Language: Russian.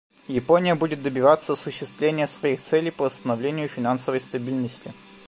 Япония будет добиваться осуществления своих целей по восстановлению финансовой стабильности.